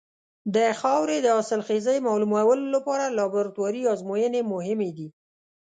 د خاورې د حاصلخېزۍ معلومولو لپاره لابراتواري ازموینې مهمې دي.